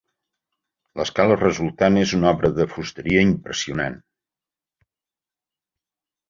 L'escala resultant és una obra de fusteria impressionant.